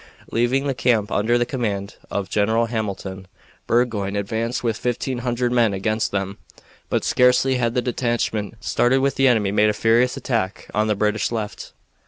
Leaving the camp under the command of General Hamilton, Burgoyne advanced with fifteen hundred men against them. But scarcely had the detachment started when the enemy made a furious attack on the British left.